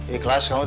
ikhlas kamu tuh